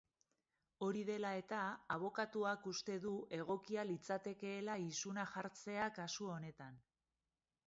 Hori dela eta, abokatuak uste du egokia litzatekeela isuna jartzea kasu honetan.